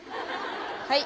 はい。